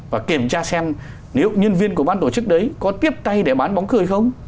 và kiểm tra xem nếu nhân viên của ban tổ chức đấy có tiếp tay để bán bóng cười không